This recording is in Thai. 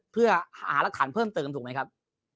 เพื่อหารักฐานเพิ่มเติมถูกไหมครับ